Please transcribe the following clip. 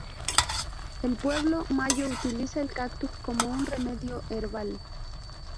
El Pueblo Mayo utiliza el cactus como un remedio herbal.